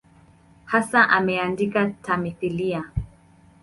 Hasa ameandika tamthiliya.